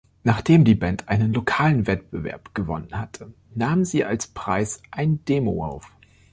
Nachdem die Band einen lokalen Wettbewerb gewonnen hatte, nahm sie als Preis ein Demo auf.